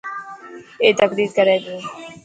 اي تقرير ڪري پيو.